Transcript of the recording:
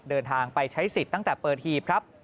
เดินทางไปใช้สิทธิ์ตั้งแต่เปิดหีบครับ